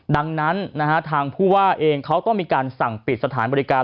ดังนั้นทางผู้ว่าเองเขาต้องมีการสั่งปิดสถานบริการ